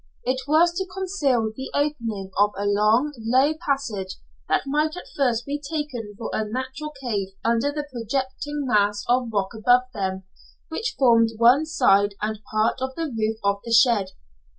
It was to conceal the opening of a long, low passage that might at first be taken for a natural cave under the projecting mass of rock above them, which formed one side and part of the roof of the shed.